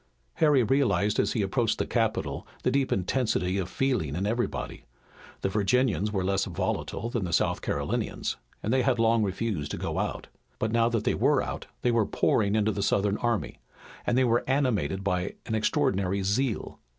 Harry realized as he approached the capital the deep intensity of feeling in everybody. The Virginians were less volatile than the South Carolinians, and they had long refused to go out, but now that they were out they were pouring into the Southern army, and they were animated by an extraordinary zeal.